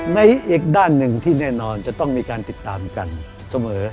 ในอีกด้านหนึ่งที่แน่นอนจะต้องมีการติดตามกันเสมอ